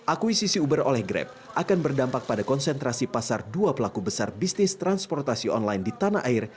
akuisisi uber oleh grab akan berdampak pada konsentrasi pasar dua pelaku besar bisnis transportasi online di tanah air